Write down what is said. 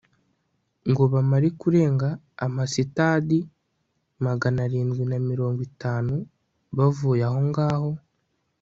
ngo bamare kurenga amasitadi magana arindwi na mirongo itanu bavuye aho ngaho